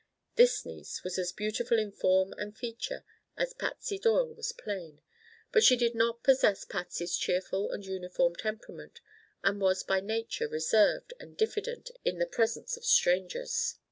This niece was as beautiful in form and feature as Patsy Doyle was plain, but she did not possess Patsy's cheerful and uniform temperament and was by nature reserved and diffident in the presence of strangers.